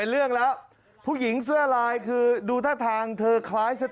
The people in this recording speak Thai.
แล้วมึงจะฆ่ากูก่อนมึงมีสิทธิ์ต้องกันตัว